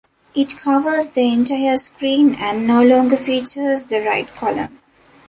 It covers the entire screen and no longer features the right column.